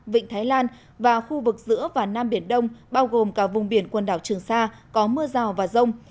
vịnh thái lan và khu vực giữa và nam biển đông bao gồm cả vùng biển quần đảo trường sa có mưa rào và rông